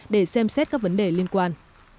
để xem xét các vấn đề liên quan